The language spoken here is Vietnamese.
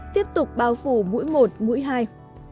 tiếp tục bao phủ mũi một mũi hai